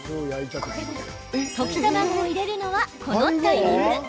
溶き卵を入れるのはこのタイミング。